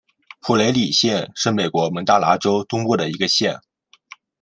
普雷里县是美国蒙大拿州东部的一个县。